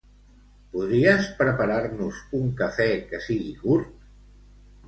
Podries preparar-nos un cafè que sigui curt?